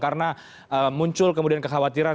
karena ee muncul kemudian kekhawatiran